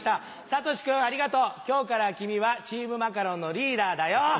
サトシ君ありがとう今日から君はチームマカロンのリーダーだよ！